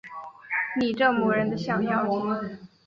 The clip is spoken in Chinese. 你这磨人的小妖精